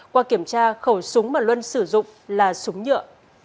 qua kiểm tra khẩu súng mà luân sử dụng là súng nhựa